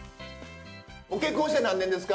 結婚して何年ですか？